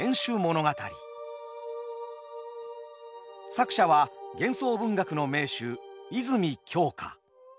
作者は幻想文学の名手泉鏡花。